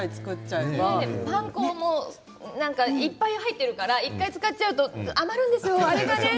パン粉とかいっぱい入ってるから１回作ると余るんですよ。